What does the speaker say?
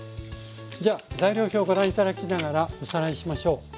じゃあ材料表ご覧頂きながらおさらいしましょう。